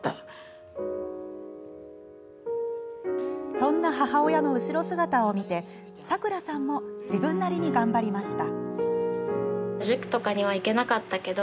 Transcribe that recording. そんな母親の後ろ姿を見てさくらさんも自分なりに頑張りました。